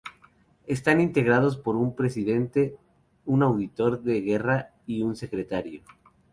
Están integrados por un Presidente, un Auditor de Guerra y un Secretario.